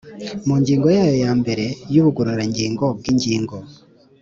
mu ngingo yayo ya mbere y ubugororangingo bw ingingo